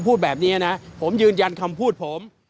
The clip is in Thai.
พูดแบบนี้นะผมยืนยันคำพูดผม